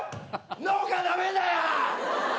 農家なめんなよ！